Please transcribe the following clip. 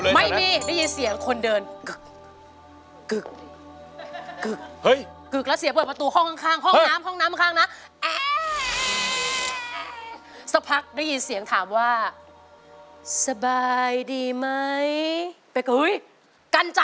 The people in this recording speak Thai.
ไม่มีใครอยู่เลยนะนะนะ